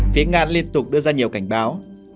phía nga liên tục đưa ra nhiều cảnh báo